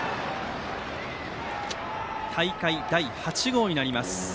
大会第８号になります。